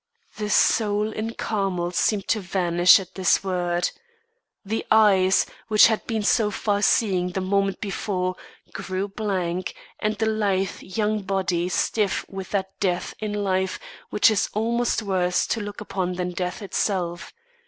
The soul in Carmel seemed to vanish at this word. The eyes, which had been so far seeing the moment before, grew blank, and the lithe young body stiff with that death in life which is almost worse to look upon than death itself.